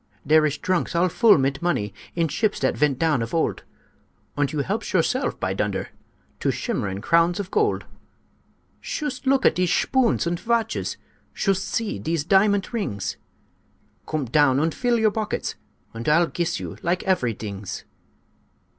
"Dere ish drunks all full mit money In ships dat vent down of old; Und you helpsh yourself, by dunder! To shimmerin crowns of gold. "Shoost look at dese shpoons und vatches! Shoost see dese diamant rings! Coom down und full your bockets, Und I'll giss you like avery dings.